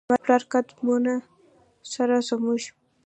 زما د پلار د قد مونو سره زموږ،